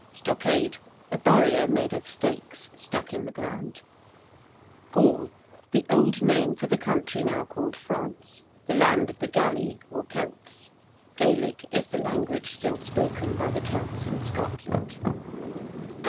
~stockade~: a barrier made of stakes stuck in the ground. ~Gaul~: the old name for the country now called France the land of the Galli, or Celts. Gaelic is the language still spoken by the Celts in Scotland.